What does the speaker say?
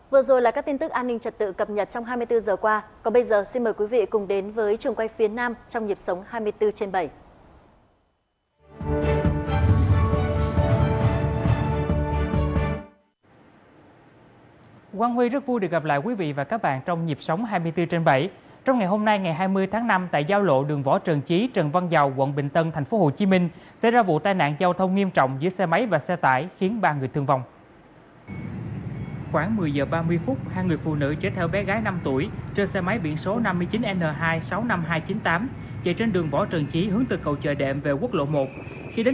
vừa rồi là các tin tức an ninh trật tự cập nhật trong hai mươi bốn h qua